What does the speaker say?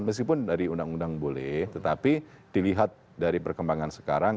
meskipun dari undang undang boleh tetapi dilihat dari perkembangan sekarang